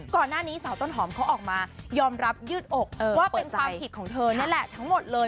ก่อนหน้านี้สาวต้นหอมเขาออกมายอมรับยืดอกว่าเป็นความผิดของเธอนี่แหละทั้งหมดเลย